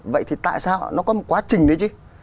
vậy thì tại sao nó có một quá trình đấy chứ